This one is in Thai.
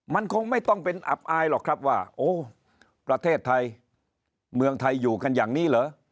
มันคงไม่ต้องเป็นอับอายหรอกครับว่าโอ้ประเทศไทยเมืองไทยอยู่กันอย่างนี้เหรอ